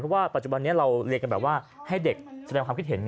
เพราะว่าปัจจุบันนี้เราเรียนกันแบบว่าให้เด็กแสดงความคิดเห็น